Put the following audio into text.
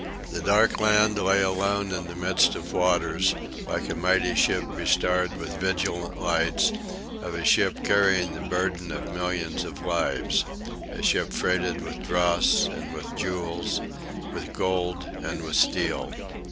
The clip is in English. The dark land lay alone in the midst of waters, like a mighty ship bestarred with vigilant lights a ship carrying the burden of millions of lives a ship freighted with dross and with jewels, with gold and with steel.